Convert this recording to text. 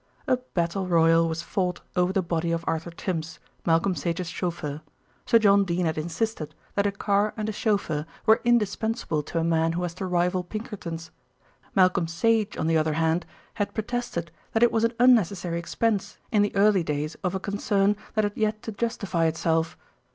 A battle royal was fought over the body of Arthur Tims, Malcolm Sage's chauffeur. Sir John Dene had insisted that a car and a chauffeur were indispensable to a man who was to rival Pinkerton's. Malcolm Sage, on the other hand, had protested that it was an unnecessary expense in the early days of a concern that had yet to justify itself.